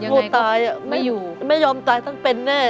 พ่อตายไม่ยอมตายทั้งเป็นแน่